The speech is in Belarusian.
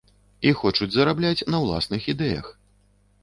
І хочуць зарабляць на ўласных ідэях.